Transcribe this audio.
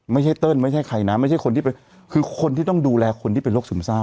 เติ้ลไม่ใช่ใครนะไม่ใช่คนที่เป็นคือคนที่ต้องดูแลคนที่เป็นโรคซึมเศร้า